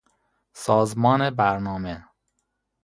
سازمان برنامه